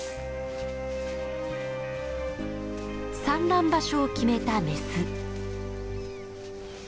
産卵場所を決めたメス。